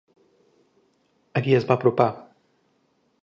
A qui es va apropar?